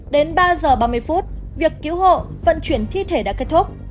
đến ba giờ ba mươi phút việc cứu hộ vận chuyển thi thể đã kết thúc